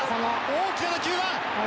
大きな打球だ。